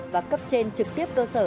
và cấp trên trực tiếp cơ sở